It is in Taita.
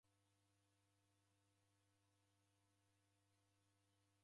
Wafunga mnyango ghwake nandenyi